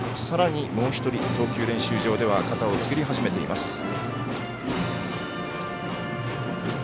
さらに、もう１人投球練習場では肩を作り始めています。